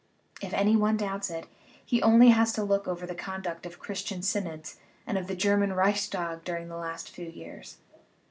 If any one doubts it, he has only to look over the conduct of Christian synods and of the German Reichstag during the last few years.